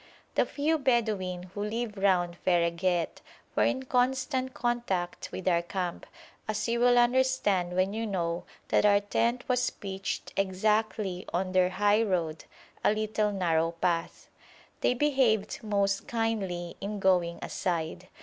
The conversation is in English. The few Bedouin who live round Fereghet were in constant contact with our camp, as you will understand when you know that our tent was pitched exactly on their high road a little narrow path. They behaved most kindly in going aside.